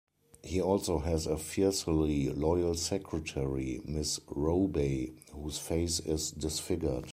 He also has a fiercely loyal secretary, Miss Robey, whose face is disfigured.